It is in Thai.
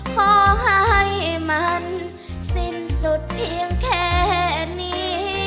ขอให้มันสิ้นสุดเพียงแค่นี้